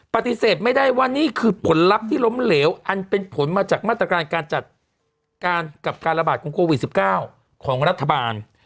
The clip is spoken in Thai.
ปฏิเสธไม่ได้ว่านี่คือผลลัพธ์ที่ล้มเหลวอันเป็นผลมาจากมาตรการการจัดการกับการระบาดของโควิด๑๙ของรัฐบาล